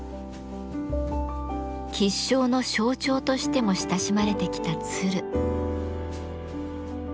吉祥の象徴としても親しまれてきた鶴。